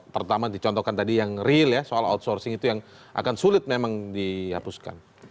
pertama dicontohkan tadi yang real ya soal outsourcing itu yang akan sulit memang dihapuskan